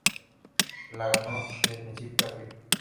La ganó de principio a fin.